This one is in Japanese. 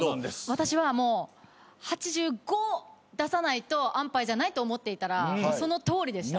私はもう８５出さないと安パイじゃないと思っていたらそのとおりでした。